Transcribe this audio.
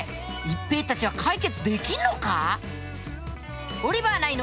一平たちは解決できんのか！？